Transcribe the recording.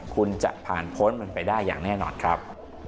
คุณจะผ่านพ้นมันไปได้อย่างแน่นอนครับ